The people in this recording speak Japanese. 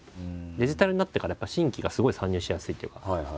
デジタルになってからやっぱ新規がすごい参入しやすいというか。